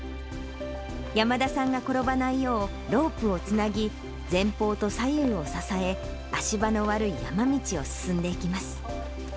山田さんが転ばないよう、ロープをつなぎ、前方と左右を支え、足場の悪い山道を進んでいきます。